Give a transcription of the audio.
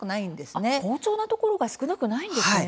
好調なところが少なくないんですね。